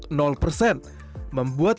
membuat impornya tidak bisa dikumpulkan